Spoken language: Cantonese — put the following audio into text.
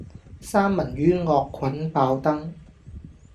三文魚惡菌爆燈